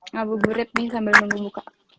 ngabur gurit nih sambil membuka